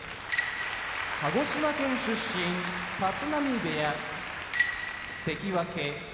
鹿児島県出身立浪部屋関脇・御嶽海